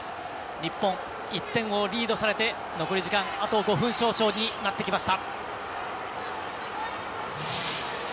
日本、１点をリードされて残り時間あと５分少々になってきました。